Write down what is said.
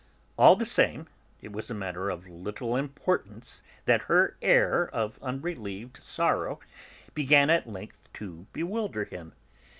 All the same, it was a matter of so little importance that her air of unrelieved sorrow began at length to bewilder him.